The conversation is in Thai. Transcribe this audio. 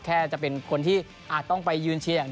แค่จะเป็นคนที่อาจต้องไปยืนเชียง